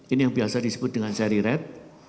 ini yang biasa disebut dengan seri red